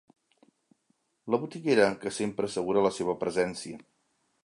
La botiguera que sempre assegura la seva presència.